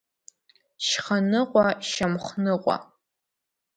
Шьха-ныҟәа шьамхныҟәа…